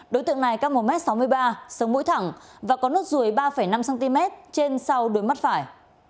đối tượng này cấp một m sáu mươi ba sông mũi thẳng và có nốt ruồi ba năm cm trên sau đuôi mắt phải